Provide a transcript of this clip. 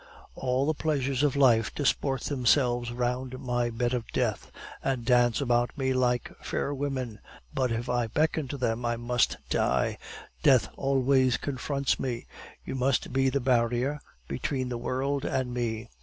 "All the pleasures of life disport themselves round my bed of death, and dance about me like fair women; but if I beckon to them, I must die. Death always confronts me. You must be the barrier between the world and me."